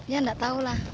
ya enggak tahulah